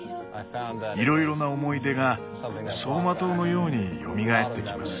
いろいろな思い出が走馬灯のようによみがえってきます。